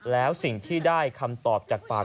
แล้วสิ่งที่ได้คำตอบจากปาก